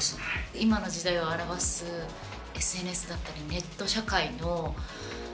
今の時代を表すＳＮＳだったりネット社会の。